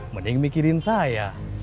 mending mikirin saya